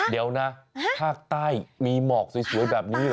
เดี๋ยวนะภาคใต้มีหมอกสวยแบบนี้เหรอ